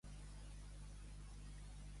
Si trona pel febrer, molt mal en ve.